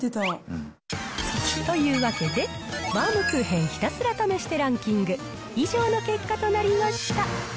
というわけで、バウムクーヘンひたすら試してランキング、以上の結果となりました。